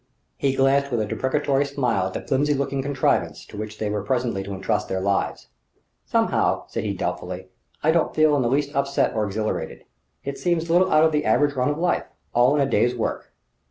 He glanced with a deprecatory smile at the flimsy looking contrivance to which they were presently to entrust their lives. "Somehow," said he doubtfully, "I don't feel in the least upset or exhilarated. It seems little out of the average run of life all in the day's work!"